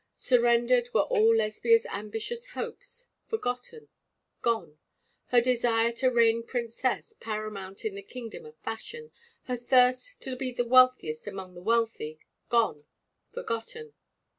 Surrendered were all Lesbia's ambitious hopes forgotten gone; her desire to reign princess paramount in the kingdom of fashion her thirst to be wealthiest among the wealthy gone forgotten.